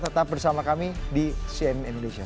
tetap bersama kami di cnn indonesia